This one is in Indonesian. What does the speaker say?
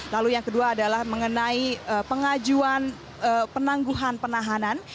lalu yang kedua adalah mengenai pengajuan penangguhan penahanan